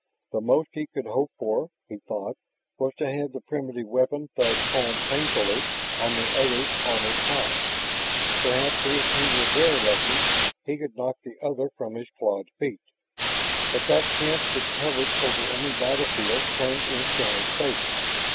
The most he could hope for, he thought, was to have the primitive weapon thud home painfully on the other's armored hide. Perhaps, if he were very lucky, he could knock the other from his clawed feet. But that chance which hovers over any battlefield turned in Shann's favor.